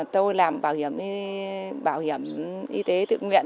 tôi làm bảo hiểm y tế tự nguyện